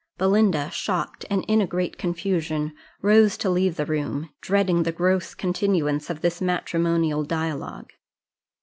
Belinda, shocked and in a great confusion, rose to leave the room, dreading the gross continuance of this matrimonial dialogue.